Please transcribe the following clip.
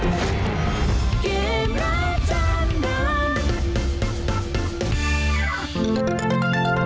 ไปแล้ว